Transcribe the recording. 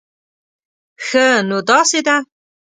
ښه، نو داسې ده